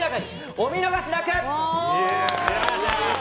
お見逃しなく！